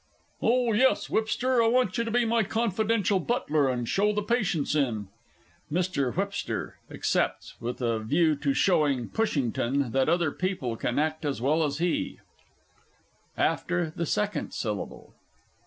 Oh, yes, Whipster, I want you to be my confidential butler, and show the patients in. [MR. W. accepts with a view to showing PUSHINGTON that other people can act as well as he. AFTER THE SECOND SYLLABLE.